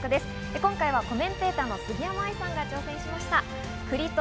今回はコメンテーターの杉山愛さんが挑戦しました。